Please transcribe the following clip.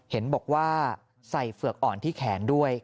เห็นบอกว่าใส่เฝือกอ่อนที่แขนด้วย